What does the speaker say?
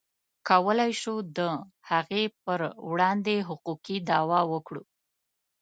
کولی شو د هغې پر وړاندې حقوقي دعوه وکړو.